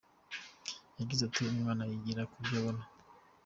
Yagize ati “Umwana yigira kubyo abona.